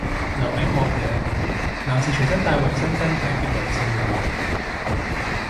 留名學嘢，男士隨身帶衛生巾體貼女性友人